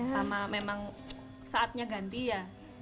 sama memang saatnya ganti ya